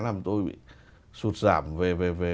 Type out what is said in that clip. làm tôi bị sụt giảm về về về